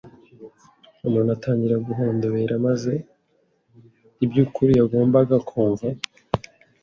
Umuntu atangira guhondobera, maze iby’ukuri yagombaga kumva,